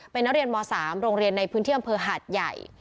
เป็นนักเรียนม๓โรงเรียนในพื้นที่อำเภอหาดใหญ่